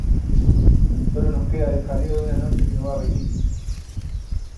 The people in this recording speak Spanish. Sólo nos queda el jaleo de una noche que no va a venir.